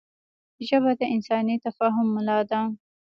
ژبه د انساني تفاهم ملا ده